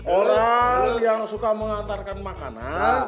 orang yang suka mengantarkan makanan